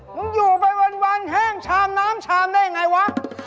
อยู่ไปวันแห้งชามน้ำชามได้ยังไงวะ